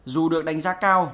dù được đánh giá cao